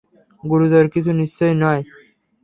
গুরুতর কিছু নিশ্চয় নয়।